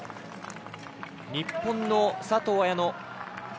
日本の佐藤綾乃。